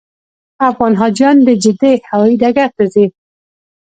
افغان حاجیان د جدې هوایي ډګر ته ځي.